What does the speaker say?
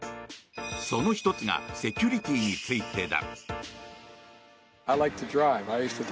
その１つがセキュリティーについてだ。